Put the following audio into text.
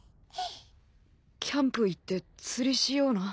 キャンプ行って釣りしような。